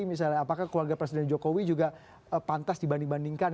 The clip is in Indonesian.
misalnya apakah keluarga presiden jokowi juga pantas dibanding bandingkan